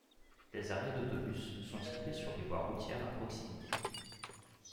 Des arrêts d'autobus sont situés sur les voies routières à proximité.